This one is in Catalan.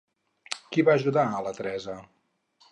Qui va ajudar a la Teresa?